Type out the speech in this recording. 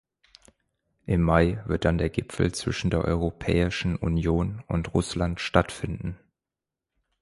Im Mai wird dann der Gipfel zwischen der Europäischen Union und Russland stattfinden.